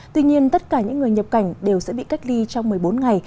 tuy nhiên tất cả những người nhập cảnh đều sẽ bị cách ly trong một mươi bốn ngày